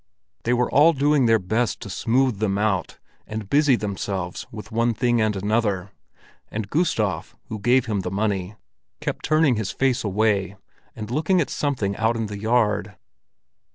They were all doing their best to smooth them out and busy themselves with one thing and another; and Gustav, who gave him the money, kept turning his face away and looking at something out in the yard.